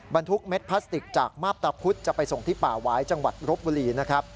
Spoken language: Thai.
บรรทุกเม็ดพลาสติกจากมาบตะพุธจะไปส่งที่ป่าหวายจังหวัดรบบุรีนะครับ